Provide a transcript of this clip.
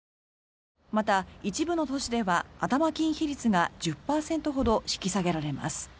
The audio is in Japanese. また、一部の都市では頭金比率が１０％ほど引き下げられます。